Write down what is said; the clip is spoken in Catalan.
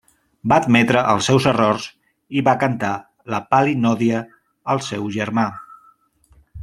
Va admetre els seus errors i va cantar la palinòdia al seu germà.